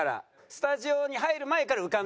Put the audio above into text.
スタジオに入る前から浮かんでるやつ。